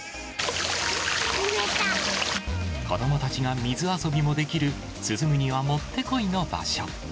子どもたちが水遊びもできる、涼むにはもってこいの場所。